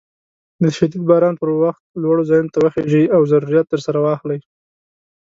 د شديد باران پر وخت لوړو ځايونو ته وخېژئ او ضروريات درسره واخلئ.